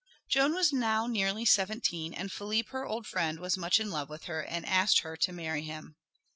Joan was now nearly seventeen, and Philippe, her old friend, was much in love with her and asked her to marry him.